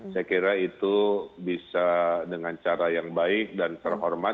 saya kira itu bisa dengan cara yang baik dan terhormat untuk menguji apakah ada kebenaran